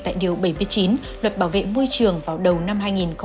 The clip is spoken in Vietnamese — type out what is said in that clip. tại điều bảy chín luật bảo vệ môi trường vào đầu năm hai nghìn hai mươi năm